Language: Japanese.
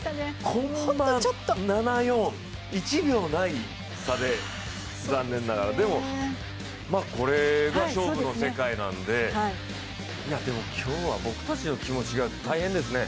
コンマ７４、１秒ない差で残念ながらでも、これが勝負の世界なんで今日は僕たちの気持ちが大変ですね。